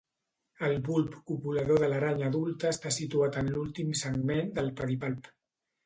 El bulb copulador de l'aranya adulta està situat en l'últim segment del pedipalp.